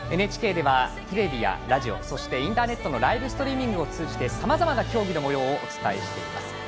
ＮＨＫではテレビやラジオそして、インターネットのライブストリーミングを通じてさまざまな競技のもようをお伝えしていきます。